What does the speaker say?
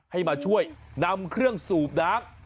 ให้มาช่วยนำเครื่องสูบน้ำ